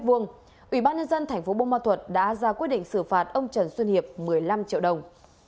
ủy ban nhân dân tp bung ma thuật đã ra quyết định xử phạt ông trần xuân hiệp một mươi năm triệu đồng